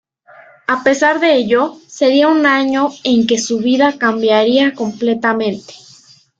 A pesar de ello, sería un año en que su vida cambiaría completamente.